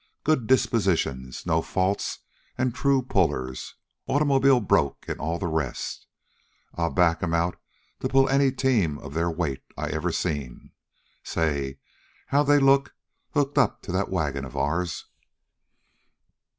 Good dispositions, no faults, an' true pullers, automobile broke an' all the rest. I'd back 'em to out pull any team of their weight I ever seen. Say, how'd they look hooked up to that wagon of ourn?"